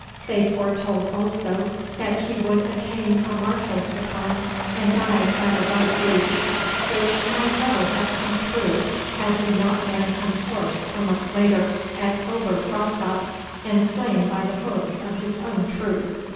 'They foretold also that he would attain a marshal's baton and die at a ripe age, which might well have come true had he not been unhorsed a month later at Ober Graustock, and slain by the hoofs of his own troop.